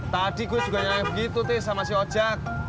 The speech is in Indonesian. tadi gua juga nyanyi begitu teh sama si ojak